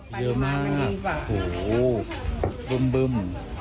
เยอะมากโหบึ้ม